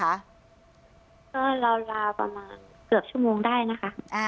เราลาเกือบประมาณชั่วโมงได้นะคะ